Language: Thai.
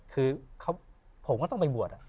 คือผมก็ต้องไปบวช